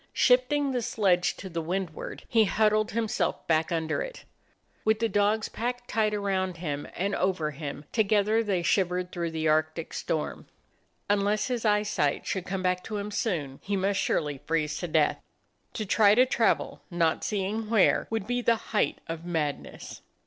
Shifting the sledge to the windward, he huddled himself back under it. With the dogs packed tight around and over him, together they shivered through the Arctic storm. Unless his eyesight should come back to him soon, he must surely freeze to death. To try to travel, not seeing where, would be the height of madness.